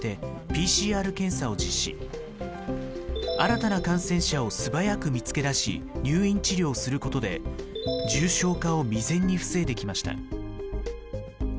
新たな感染者を素早く見つけ出し入院治療することで重症化を未然に防いできました。